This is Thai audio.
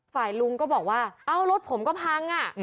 ลุงก็บอกว่าเอ้ารถผมก็พัง